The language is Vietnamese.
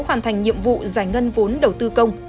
hoàn thành nhiệm vụ giải ngân vốn đầu tư công